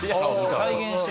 再現して。